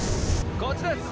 こっちです！